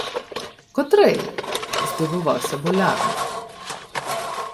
— Котрий? — здивувався болярин.